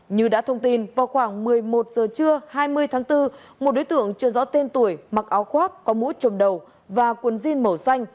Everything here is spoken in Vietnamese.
như đã thông tin vào khoảng một mươi một giờ trưa hai mươi tháng bốn một đối tượng chưa rõ tên tuổi mặc áo khoác có mũ trùm đầu và cuốn jean màu xanh